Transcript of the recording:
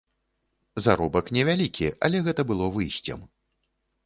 Заробак невялікі, але гэта было выйсцем.